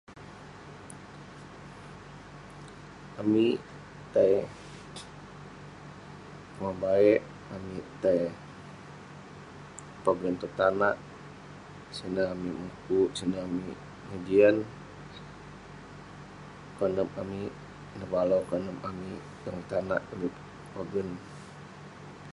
Muteuk ireh jau muteuk mukun dukuk ireh mojam nan amak ireh mojam Nat amak ineh ireh mukun ireh jau ireh maren